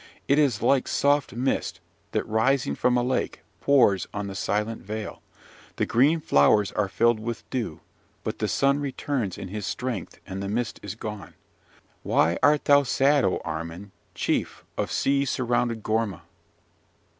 It is like soft mist that, rising from a lake, pours on the silent vale; the green flowers are filled with dew, but the sun returns in his strength, and the mist is gone. Why art thou sad, O Armin, chief of sea surrounded Gorma?